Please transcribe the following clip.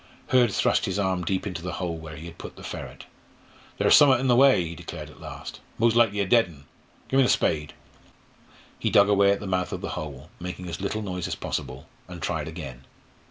Hurd thrust his arm deep into the hole where he had put the ferret. "Ther's summat in the way," he declared at last. "Mos' likely a dead un. Gi' me the spade." He dug away the mouth of the hole, making as little noise as possible, and tried again.